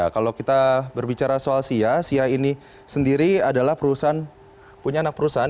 kalau kita berbicara soal sia sia ini sendiri adalah perusahaan punya anak perusahaan